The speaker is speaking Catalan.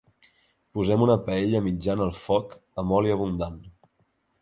Posem una paella mitjana al foc amb oli abundant.